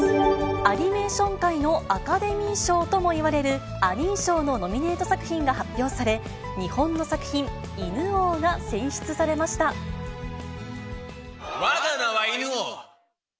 アニメーション界のアカデミー賞ともいわれる、アニー賞のノミネート作品が発表され、日本の作品、わが名は犬王。